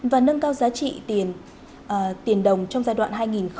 và nâng cao giá trị tiền đồng trong giai đoạn hai nghìn một mươi hai